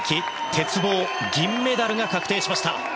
鉄棒銀メダルが確定しました。